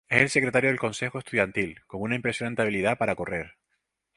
Es el secretario del consejo estudiantil, con una impresionante habilidad para correr.